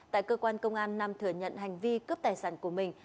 tại cơ quan công an nam thừa nhận hành vi cướp tài sản của mình